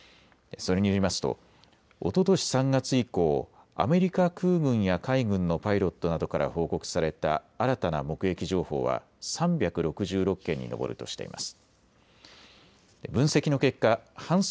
それによりますとおととし３月以降、アメリカ空軍や海軍のパイロットなどから報告された新たな目撃情報は３６６件に上るとしています。